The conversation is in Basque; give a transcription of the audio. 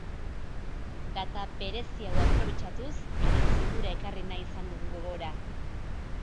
Data berezi hau aprobetxatuz haren figura ekarri nahi izan dugu gogora.